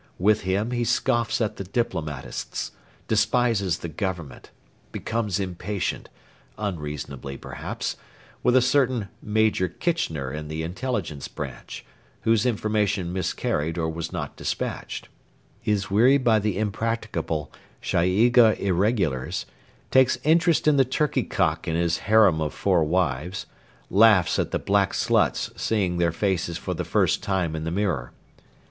With him he scoffs at the diplomatists; despises the Government; becomes impatient unreasonably, perhaps with a certain Major Kitchener in the Intelligence Branch, whose information miscarried or was not despatched; is wearied by the impracticable Shaiggia Irregulars; takes interest in the turkey cock and his harem of four wives; laughs at the 'black sluts' seeing their faces for the first time in the mirror.